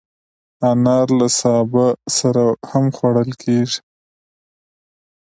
انار له سابه سره هم خوړل کېږي.